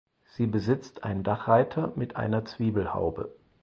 Sie besitzt einen Dachreiter mit einer Zwiebelhaube.